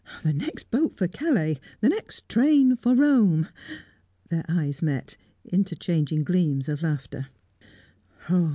"The next boat for Calais! The next train for Rome!" Their eyes met, interchanging gleams of laughter.